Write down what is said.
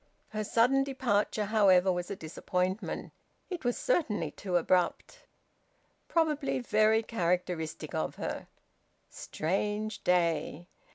Her sudden departure, however, was a disappointment; it was certainly too abrupt... Probably very characteristic of her... Strange day!